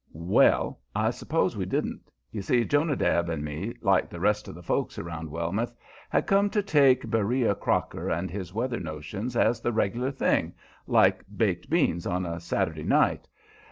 Well, I suppose we didn't. You see, Jonadab and me, like the rest of the folks around Wellmouth, had come to take Beriah Crocker and his weather notions as the regular thing, like baked beans on a Saturday night.